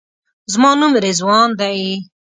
زما نوم رضوان دی.